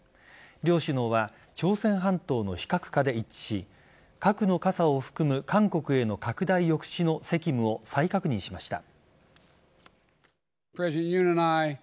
両首脳は朝鮮半島の非核化で一致し核の傘を含む韓国への拡大抑止の責務を再確認しました。